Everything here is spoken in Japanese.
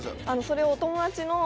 それを。